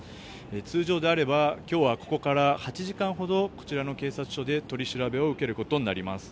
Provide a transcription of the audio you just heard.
通常であれば今日は、ここから８時間ほどこちらの警察署で取り調べを受けることになります。